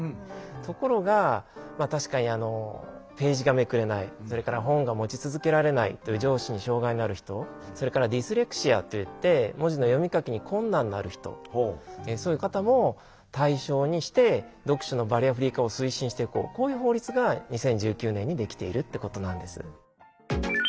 ところが確かにページがめくれないそれから本が持ち続けられないという上肢に障害のある人それからディスレクシアといって文字の読み書きに困難のある人そういう方も対象にして読書のバリアフリー化を推進していこうこういう法律が２０１９年にできているってことなんです。